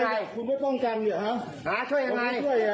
ไม่กูไปไทยก็ได้มึงก็ไทยอ่ะ